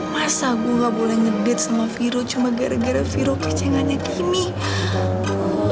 masa gue gak boleh ngedate sama firo cuma gara gara firo kecengannya kimmy